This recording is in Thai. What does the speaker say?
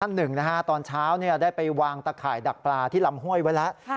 หนึ่งนะฮะตอนเช้าได้ไปวางตะข่ายดักปลาที่ลำห้วยไว้แล้ว